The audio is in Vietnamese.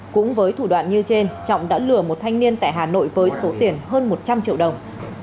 cũng với thủ đoạn như trên trọng đã lừa một thanh niên tại hà nội với số tiền hơn một trăm linh triệu đồng